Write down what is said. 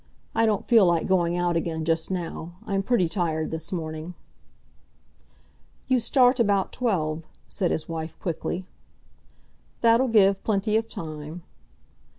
I don't feel like going out again just now. I'm pretty tired this morning." "You start about twelve," said his wife quickly. "That'll give plenty of time."